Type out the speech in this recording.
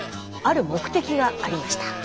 ある目的がありました。